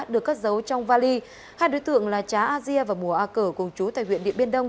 được cất giấu trong vali hai đối tượng là trá asia và mùa a cờ cùng chú tại huyện điện biên đông